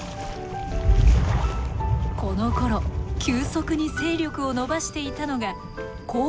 このころ急速に勢力を伸ばしていたのが光合成細菌。